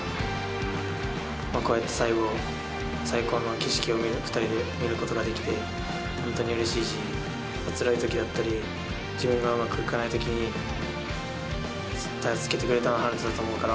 こうやって最後、最高の景色を２人で見ることができて、本当にうれしいし、つらいときだったり、自分がうまくいかないときに、助けてくれたのがはるとだと思うから。